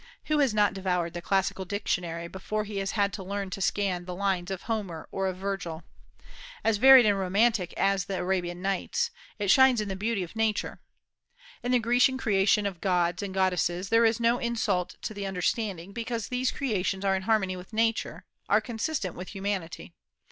Who has not devoured the classical dictionary before he has learned to scan the lines of Homer or of Virgil? As varied and romantic as the "Arabian Nights," it shines in the beauty of nature. In the Grecian creations of gods and goddesses there is no insult to the understanding, because these creations are in harmony with Nature, are consistent with humanity.